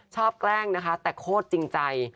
ชอบแกล้งแต่โคตรจริงใจ